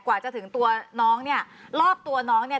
กว่าจะถึงตัวน้องเนี่ยรอบตัวน้องเนี่ย